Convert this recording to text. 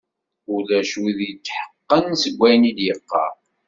Ulac win i d-yetḥeqqen seg wayen i d-yeqqar.